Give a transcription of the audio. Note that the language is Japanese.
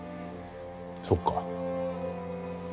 そっか。